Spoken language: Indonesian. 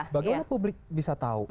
bagaimana publik bisa tahu